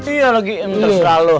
terus lah loh